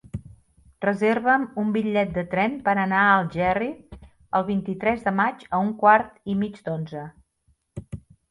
Reserva'm un bitllet de tren per anar a Algerri el vint-i-tres de maig a un quart i mig d'onze.